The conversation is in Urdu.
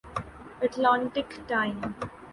Atlantic time